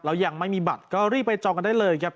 แล้วยังไม่มีบัตรก็รีบไปจองกันได้เลยครับ